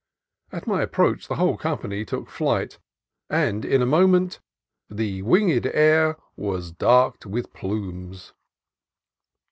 At my approach the whole company took flight, and in a moment "the winged air was darked with plumes."